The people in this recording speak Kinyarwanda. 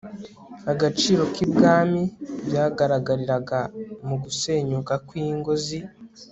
agaciro k ibwami byagaragariraga mu gusenyuka kw ingo z i